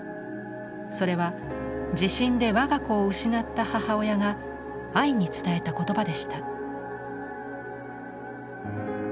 それは地震で我が子を失った母親がアイに伝えた言葉でした。